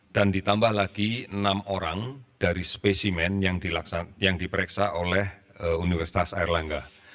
dan ditambah lagi enam orang dari spesimen yang diperiksa oleh universitas air langga